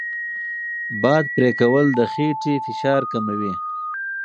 باد پرې کول د خېټې فشار کموي.